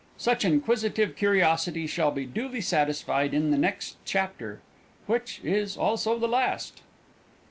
Such inquisitive curiosity shall be duly satisfied in the next chapter, which is also the last.